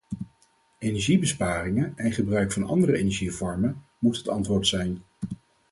Energiebesparingen en gebruik van andere energievormen moet het antwoord zijn.